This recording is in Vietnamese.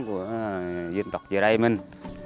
của dân tộc dưới đây mình